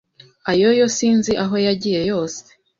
Ayoyo sinzi aho yagiye yose